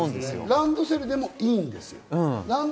ランドセルでもいいんですよ。